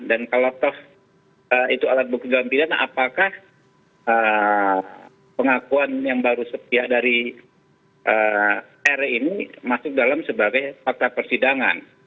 dan kalau itu alat bukti dalam pidana apakah pengakuan yang baru setia dari r ini masuk dalam sebagai fakta persidangan